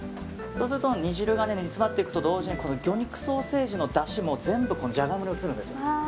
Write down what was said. そうすると煮汁が煮詰まっていくと同時に魚肉ソーセージのだしも全部ジャガイモに移るんです。